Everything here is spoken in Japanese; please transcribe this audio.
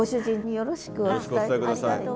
よろしくお伝え下さい。